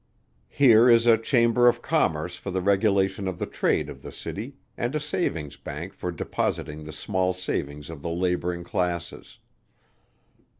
Here is a Chamber of Commerce for the regulation of the trade of the City, and a Savings' Bank for depositing the small savings of the Laboring Classes.